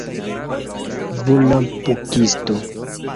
volapukisto